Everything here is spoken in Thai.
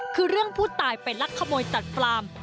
คือเรื่องผู้ตายไปลักขโมยตัดฟาร์ม